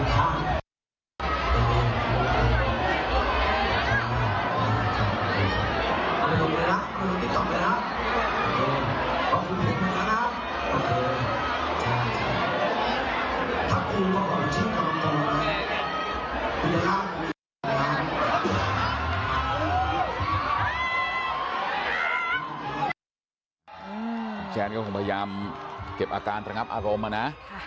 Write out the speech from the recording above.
แฟนก็คงพยายามเก็บอาการระงับอารมณ์นะ